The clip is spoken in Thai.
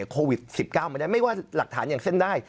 โควิด๑๙มาได้ไม่ว่าหลักฐานอย่างเส้นได้